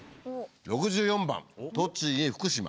６４番栃木福島。